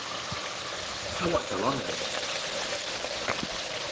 I watch a lot of them.